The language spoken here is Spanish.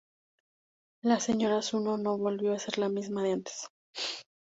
La señora Zuno no volvió a ser la misma de antes.